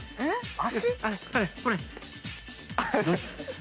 足？